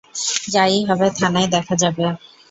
যা-ই হবে, থানায় দেখা যাবে।